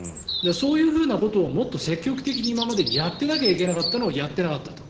そういうことをもっと積極的に今までにやってなきゃいけなかったのをやってなかったと。